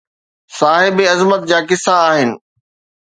صاحبِ عظمت جا قصا آهن